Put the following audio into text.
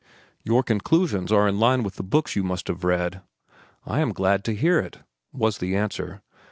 "Your conclusions are in line with the books which you must have read." "I am glad to hear it," was the answer.